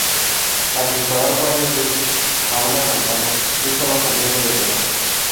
Al disparar varias veces a una campana, esta va cambiando de color.